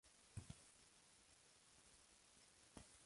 Marcia Gay Harden ganó un Premio Oscar como por esta película.